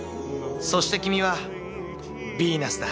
そして君はビーナスだ。